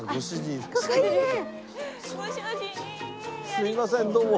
すみませんどうも。